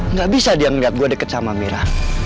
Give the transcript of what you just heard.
nggak bisa dia ngeliat gue deket sama amira